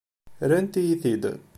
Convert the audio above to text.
Rrant-iyi-t-id.